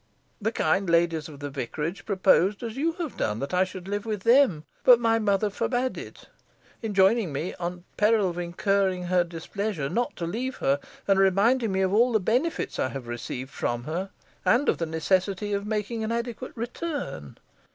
The kind ladies of the vicarage proposed, as you have done, that I should live with them, but my mother forbade it; enjoining me, on the peril of incurring her displeasure, not to leave her, and reminding me of all the benefits I have received from her, and of the necessity of making an adequate return.